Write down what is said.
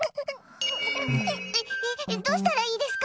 どうしたらいいですか？